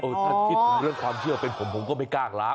ถ้าคิดถึงเรื่องความเชื่อเป็นผมผมก็ไม่กล้าล้าง